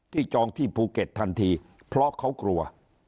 จองที่ภูเก็ตทันทีเพราะเขากลัว